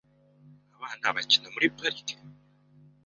Abana bakina muri parike?